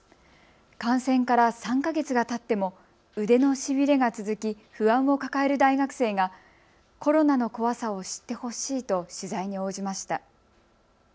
感染から３か月がたっても腕のしびれが続き、不安を抱える大学生がコロナの怖さを知ってほしいと取材に応じました。